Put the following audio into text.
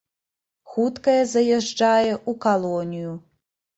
Хуткая заязджае ў калонію.